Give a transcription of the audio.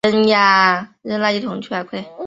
杰佛里也许将这个名字取自凯尔李尔。